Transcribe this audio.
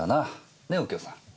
ね右京さん？